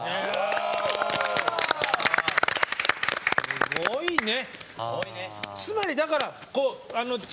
すごいね！